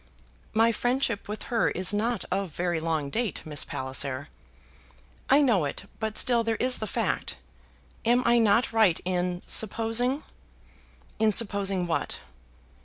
"My friendship with her is not of very long date, Miss Palliser." "I know it, but still there is the fact. Am I not right in supposing " "In supposing what?"